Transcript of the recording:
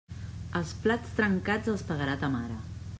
Els plats trencats els pagarà ta mare.